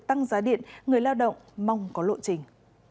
tăng giá điện người lao động mong có lộ trình